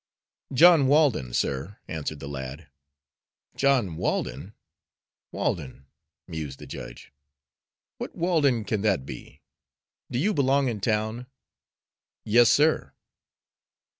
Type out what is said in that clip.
"John Walden, sir," answered the lad. "John Walden? Walden?" mused the judge. "What Walden can that be? Do you belong in town?" "Yes, sir."